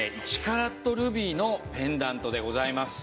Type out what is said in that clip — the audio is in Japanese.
１カラットルビーのペンダントでございます。